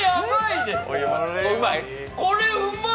これうまい！